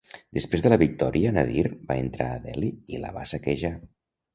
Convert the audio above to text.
Després de la victòria Nadir va entrar a Delhi i la va saquejar.